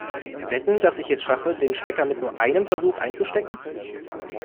Wetten, dass ich es schaffe, den Stecker mit nur einem Versuch einzustecken?